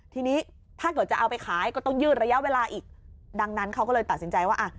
ทีนี้ถ้าเกิดจะเอาไปขายก็ต้องยืดระยะเวลาอีกดังนั้นเขาก็เลยตัดสินใจว่าอ่ะ